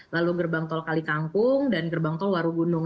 lalu gerbang tol kalikangkung dan gerbang tol warugunung